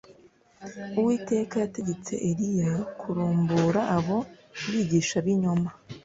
Uwiteka yategetse Eliya kurumbura abo bigishabinyoma